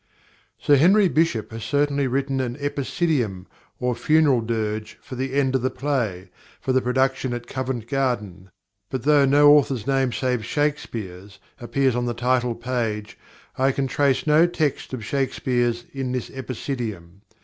+Sir Henry Bishop+ has certainly written an "Epicedium," or funeral dirge, for the end of the play, for the production at Covent Garden; but though no author's name save Shakespeare's appears on the title page, I can trace no text of Shakespeare's in this "Epicedium."